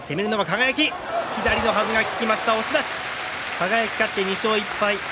輝、勝って２勝１敗